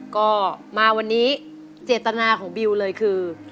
ก็มาวันนี้เจตนาของบิวเลยคือ